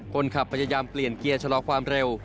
พยายามเปลี่ยนเกียร์ชะลอความเร็ว